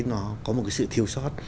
nó có một cái sự thiêu sót